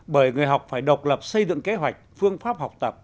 bởi người học phải độc lập xây dựng kế hoạch phương pháp học tập